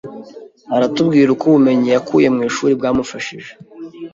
aratubwira uko Ubumenyi yakuye mu ishuri bwamufashije